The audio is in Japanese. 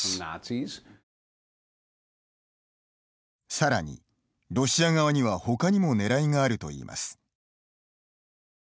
さらに、ロシア側には他にもねらいがあるといいます。